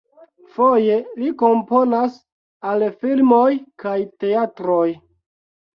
Foje li komponas al filmoj kaj teatroj.